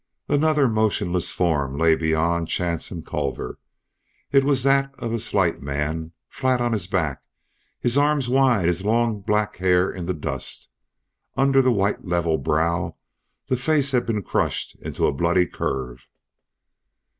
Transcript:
Another motionless form lay beyond Chance and Culver. It was that of a slight man, flat on his back, his arms wide, his long black hair in the dust. Under the white level brow the face had been crushed into a bloody curve.